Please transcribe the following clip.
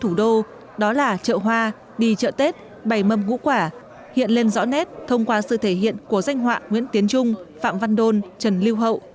thủ đô đó là chợ hoa đi chợ tết bày mâm ngũ quả hiện lên rõ nét thông qua sự thể hiện của danh họa nguyễn tiến trung phạm văn đôn trần lưu hậu